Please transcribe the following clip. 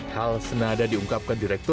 hal senada diungkapkan direkordnya